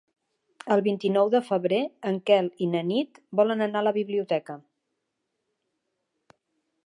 El vint-i-nou de febrer en Quel i na Nit volen anar a la biblioteca.